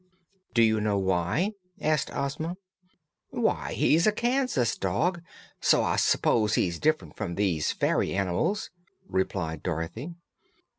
'" "Do you know why?" asked Ozma. "Why, he's a Kansas dog; so I s'pose he's different from these fairy animals," replied Dorothy.